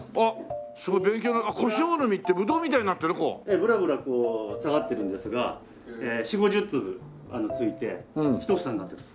ぶらぶらこう下がってるんですが４０５０粒ついて一房になっています。